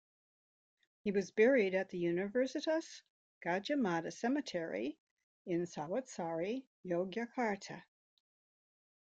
He was buried at the Universitas Gadjah Mada Cemetery in Sawitsari, Yogyakarta.